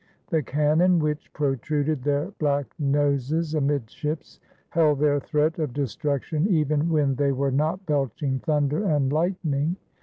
The cannon which protruded their black noses amidships held their threat of destruction even when they were not belching thunder and lightning.